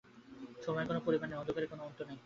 সময়ের কোনো পরিমাণ নাই, অন্ধকারের কোনো অন্ত নাই।